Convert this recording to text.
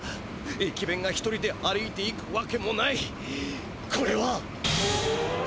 駅弁が１人で歩いていくわけもない。